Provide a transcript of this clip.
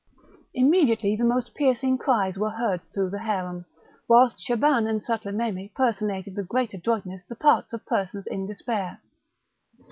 Immediately the most piercing cries were heard through the harem, whilst Shaban and Sutlememe personated with great adroitness the parts of persons in despair.